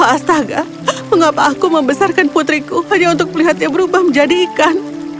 astaga mengapa aku membesarkan putriku hanya untuk melihatnya berubah menjadi ikan